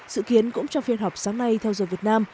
sự kiến cũng trong phiên họp sáng nay theo dõi việt nam